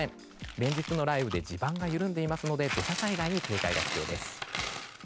連日の雷雨で地盤が緩んでいますので土砂災害に警戒が必要です。